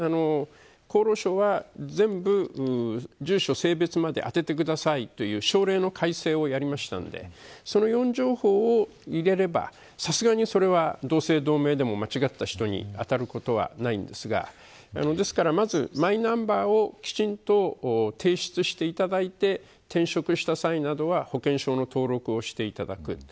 厚労省は、全部住所、性別まであててくださいという省令の改正をやりましたのでその４情報を入れればさすがにそれは同姓同名でも間違った人に当たることはないんですがですから、まずマイナンバーをきちんと提出していただいて転職した際などは保険証の登録をしていただく。